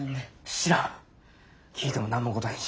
知らん聞いても何も答えんし。